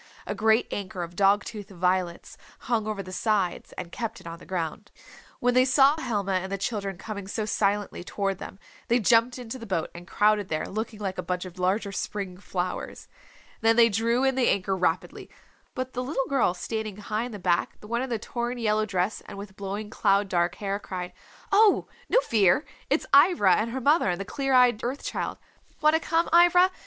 A great anchor of dog tooth violets hung over the sides and kept it on the ground. When they saw Helma and the children coming so silently toward them they jumped into the boat and crowded there looking like a bunch of larger spring flowers. Then they drew in the anchor rapidly. But the little girl sitting high in the back, the one in the torn yellow dress and with blowing cloud dark hair, cried, "Oh, no fear, it's Ivra and her mother and the clear eyed Earth Child. Want to come, Ivra?